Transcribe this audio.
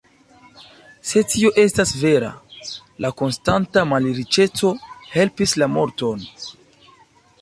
Se tio estas vera, la konstanta malriĉeco helpis la morton.